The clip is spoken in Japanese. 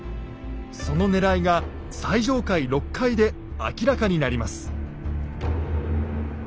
そのねらいが最上階６階で明らかになります。